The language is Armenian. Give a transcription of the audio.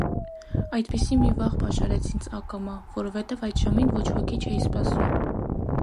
Այդպիսի մի վախ պաշարեց ինձ ակամա, որովհետև այդ ժամին ոչ ոքի չէի սպասում: